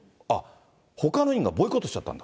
ほかの委員がボイコットしちゃったんだ。